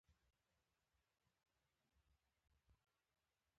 د مساوي حقونو پاملرنه وشوه.